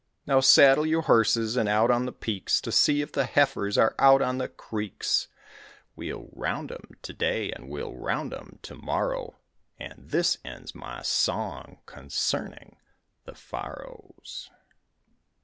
"Now saddle your horses and out on the peaks To see if the heifers are out on the creeks." We'll round 'em to day and we'll round 'em to morrow, And this ends my song concerning the Farrows.